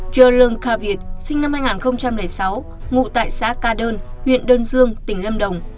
cha lương ca việt sinh năm hai nghìn sáu ngụ tại xã ca đơn huyện đơn dương tỉnh lâm đồng